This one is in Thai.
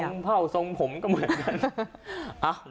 เผ่าทรงผมก็เหมือนกัน